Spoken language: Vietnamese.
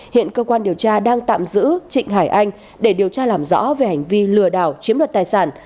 hiện cơ quan điều tra đang tạm giữ trịnh hải anh để điều tra làm rõ về hành vi lừa đảo chiếm đoạt tài sản